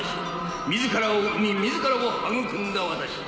自らを生み自らを育んだ私。